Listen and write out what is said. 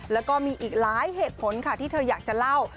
แล้วก็มีอีกหลายเหตุผลค่ะที่เธออยากจะเล่า